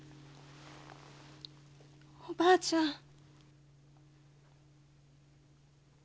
おばあちゃん。